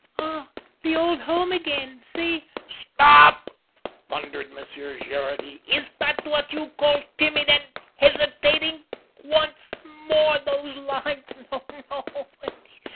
"'Ah, the old home again. See '" "Stop!" thundered Monsieur Gerardy. "Is that what you call timid and hesitating? Once more, those lines....